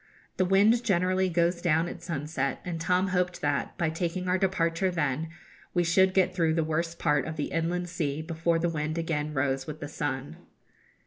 The wind generally goes down at sunset, and Tom hoped that, by taking our departure then, we should get through the worst part of the Inland Sea before the wind again rose with the sun.